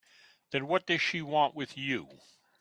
Then what does she want with you?